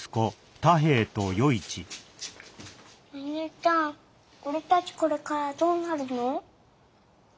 お兄ちゃん俺たちこれからどうなるの？